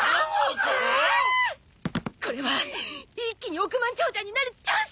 これは一気に億万長者になるチャンス！